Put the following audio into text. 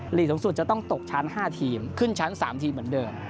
ลีกสูงสุดจะต้องตกชั้น๕ทีมขึ้นชั้น๓ทีมเหมือนเดิม